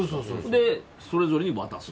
それぞれに渡す？